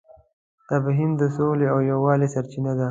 تفاهم د سولې او یووالي سرچینه ده.